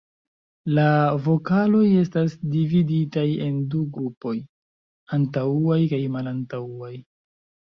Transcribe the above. La vokaloj estas dividitaj en du grupoj: antaŭaj kaj malantaŭaj.